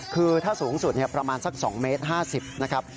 คือถ้าสูงสุดประมาณสัก๒เมตร๕๐นะครับ